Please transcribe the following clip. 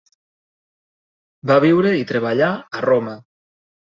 Va viure i treballar a Roma.